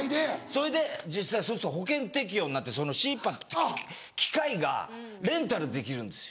それで実際そうすると保険適用になってそのシーパップ機械がレンタルできるんですよ。